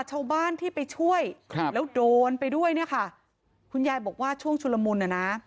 ชาวบ้านที่ไปช่วยครับแล้วโดนไปด้วยเนี่ยค่ะคุณยายบอกว่าช่วงชุลมุนอ่ะนะ